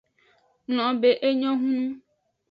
Nglobe enyo hunu.